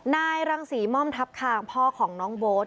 นายรังศรีม่อมทัพคางพ่อของน้องโบ๊ท